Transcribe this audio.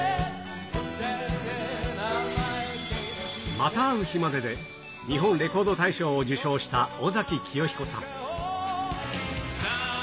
また逢う日までで日本レコード大賞を受賞した尾崎紀世彦さん。